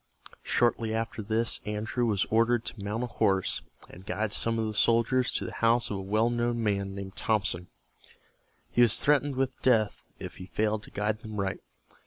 Shortly after this Andrew was ordered to mount a horse, and guide some of the soldiers to the house of a well known man named Thompson. He was threatened with death if he failed to guide them right.